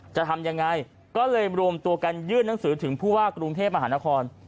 จะทำยังไงก็เลยรวมตัวกันยื่นหนังสือถึงผู้ว่ากรุงเทพมหานคร